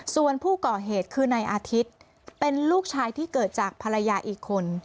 ส่วนผู้ก่อเหตุคือนายอาทิตย์เป็นลูกชายที่เกิดจากภรรยาอีกคน